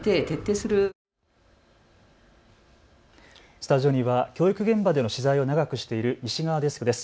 スタジオには教育現場での取材を長くしている西川デスクです。